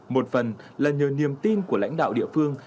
một phần là nhờ niềm tin của lãnh đạo địa phương